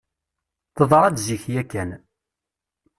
Teḍra-d zik yakan.